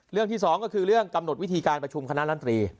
เรื่องที่๒ก็คือเรื่องกำหนดวิธีการประชุมคณะดันตรี